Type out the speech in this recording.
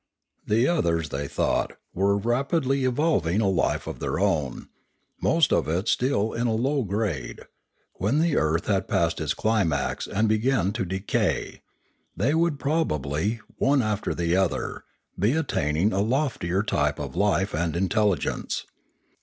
The others, they thought, were rapidly evolving a life of their own, most of it still in a low grade; when the earth had passed its climax and begun to decay, they would probably, one after the other, be attaining to a loftier type of life and intelligence.